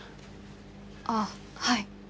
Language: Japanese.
ああはい。